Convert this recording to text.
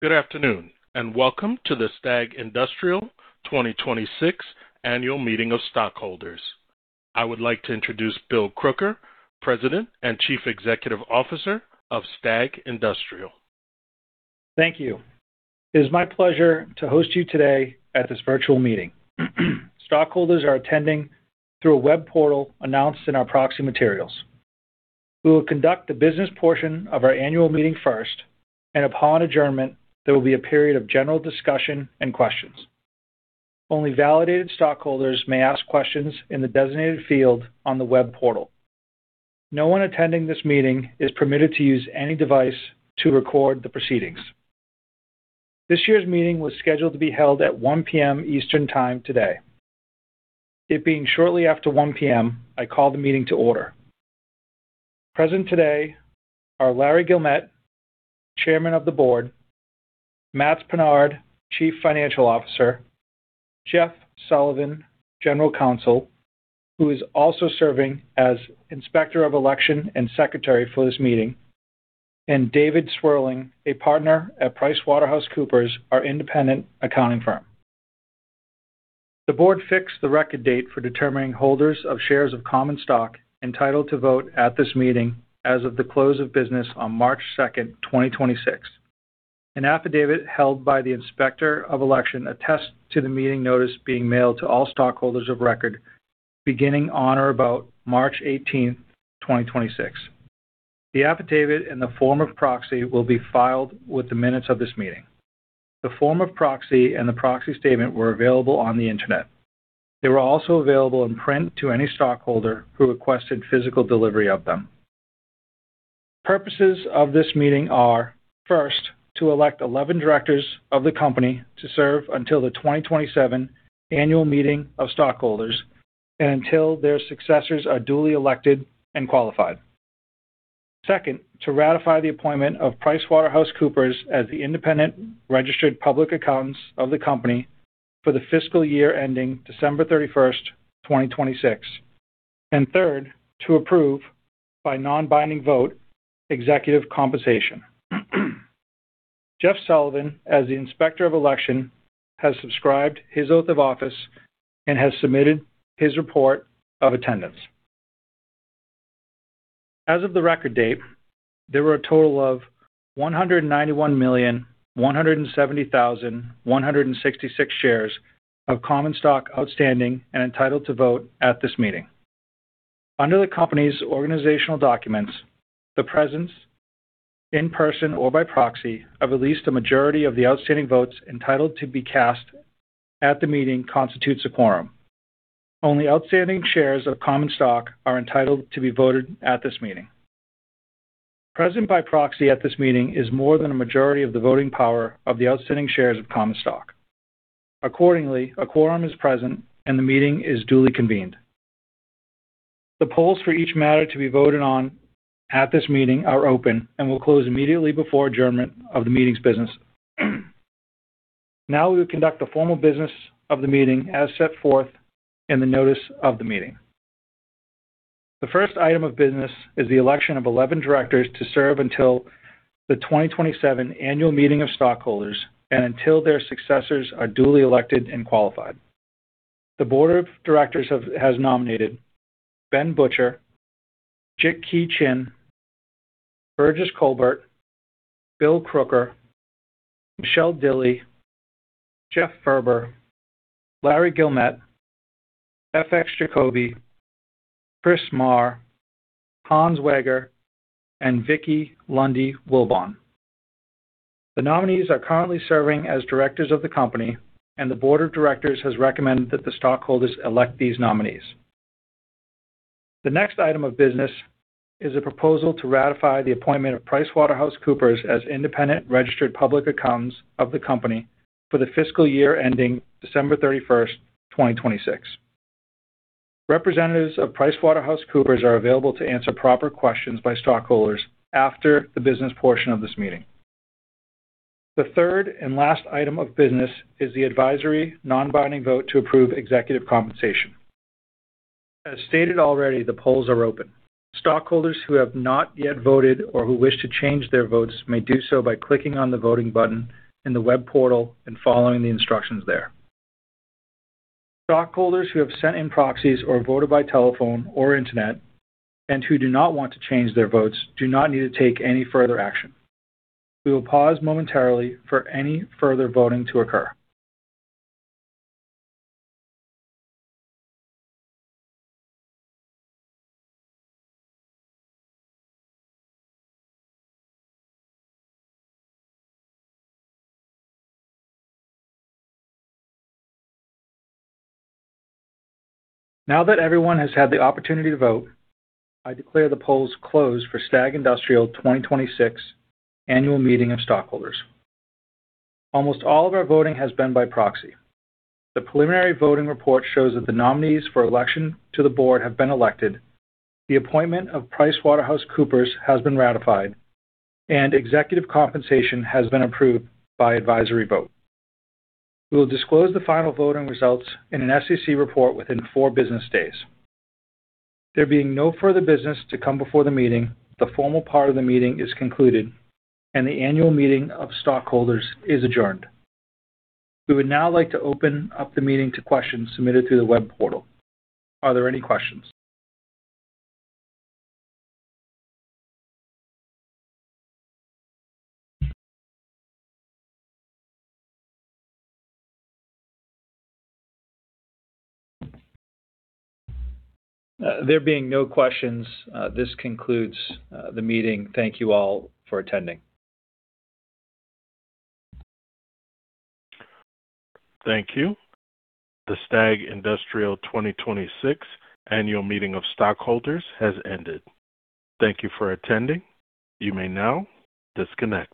Good afternoon, and welcome to the STAG Industrial 2026 Annual Meeting of Stockholders. I would like to introduce Bill Crooker, President and Chief Executive Officer of STAG Industrial. Thank you. It is my pleasure to host you today at this virtual meeting. Stockholders are attending through a web portal announced in our proxy materials. We will conduct the business portion of our annual meeting first, and upon adjournment, there will be a period of general discussion and questions. Only validated stockholders may ask questions in the designated field on the web portal. No one attending this meeting is permitted to use any device to record the proceedings. This year's meeting was scheduled to be held at 1:00 P.M. Eastern Time today. It being shortly after 1:00 P.M., I call the meeting to order. Present today are Larry Guillemette, Chairman of the Board, Matts Pinard, Chief Financial Officer, Jeff Sullivan, General Counsel, who is also serving as Inspector of Election and Secretary for this meeting, and David Swerling, a partner at PricewaterhouseCoopers, our independent accounting firm. The Board fixed the record date for determining holders of shares of common stock entitled to vote at this meeting as of the close of business on March 2nd, 2026. An affidavit held by the Inspector of Election attests to the meeting notice being mailed to all stockholders of record beginning on or about March 18th, 2026. The affidavit in the form of proxy will be filed with the minutes of this meeting. The form of proxy and the proxy statement were available on the Internet. They were also available in print to any stockholder who requested physical delivery of them. The purposes of this meeting are, first, to elect 11 directors of the company to serve until the 2027 Annual Meeting of Stockholders and until their successors are duly elected and qualified. Second, to ratify the appointment of PricewaterhouseCoopers as the independent registered public accountants of the company for the fiscal year ending December 31st, 2026. Third, to approve, by non-binding vote, executive compensation. Jeff Sullivan, as the Inspector of Election, has subscribed his oath of office and has submitted his report of attendance. As of the record date, there were a total of 191,170,166 shares of common stock outstanding and entitled to vote at this meeting. Under the company's organizational documents, the presence in person or by proxy of at least a majority of the outstanding votes entitled to be cast at the meeting constitutes a quorum. Only outstanding shares of common stock are entitled to be voted at this meeting. Present by proxy at this meeting is more than a majority of the voting power of the outstanding shares of common stock. Accordingly, a quorum is present, and the meeting is duly convened. The polls for each matter to be voted on at this meeting are open and will close immediately before adjournment of the meeting's business. Now we will conduct the formal business of the meeting as set forth in the notice of the meeting. The first item of business is the election of 11 directors to serve until the 2027 Annual Meeting of Stockholders and until their successors are duly elected and qualified. The Board of Directors has nominated Ben Butcher, Jit Kee Chin, Virgis Colbert, Bill Crooker, Michelle Dilley, Jeff Furber, Larry Guillemette, F.X. Jacoby, Chris Marr, Hans Weger, and Vicki Lundy Wilbon. The nominees are currently serving as directors of the company, and the Board of Directors has recommended that the stockholders elect these nominees. The next item of business is a proposal to ratify the appointment of PricewaterhouseCoopers as independent registered public accountants of the company for the fiscal year ending December 31st, 2026. Representatives of PricewaterhouseCoopers are available to answer proper questions by stockholders after the business portion of this meeting. The third and last item of business is the advisory non-binding vote to approve executive compensation. As stated already, the polls are open. Stockholders who have not yet voted or who wish to change their votes may do so by clicking on the voting button in the web portal and following the instructions there. Stockholders who have sent in proxies or voted by telephone or internet and who do not want to change their votes do not need to take any further action. We will pause momentarily for any further voting to occur. Now that everyone has had the opportunity to vote, I declare the polls closed for STAG Industrial 2026 Annual Meeting of Stockholders. Almost all of our voting has been by proxy. The preliminary voting report shows that the nominees for election to the board have been elected, the appointment of PricewaterhouseCoopers has been ratified, and executive compensation has been approved by advisory vote. We will disclose the final voting results in an SEC report within four business days. There being no further business to come before the meeting, the formal part of the meeting is concluded, and the Annual Meeting of Stockholders is adjourned. We would now like to open up the meeting to questions submitted through the web portal. Are there any questions? There being no questions, this concludes the meeting. Thank you all for attending. Thank you. The STAG Industrial 2026 Annual Meeting of Stockholders has ended. Thank you for attending. You may now disconnect.